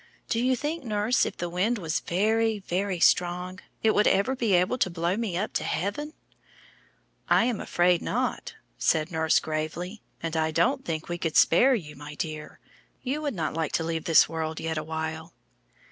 Do you think, nurse, if the wind was very, very strong it would ever be able to blow me up to heaven?" "I am afraid not," said nurse, gravely, "and I don't think we could spare you, my dear. You would not like to leave this world yet awhile."